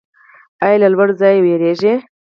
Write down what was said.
ایا له لوړ ځای ویریږئ؟